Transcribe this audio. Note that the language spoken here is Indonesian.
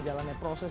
jalan dan proses